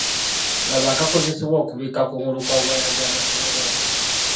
Labba akozesebwa okubikka kungulu kwa waya z'amasanyalaze